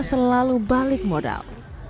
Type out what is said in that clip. selalu balik modal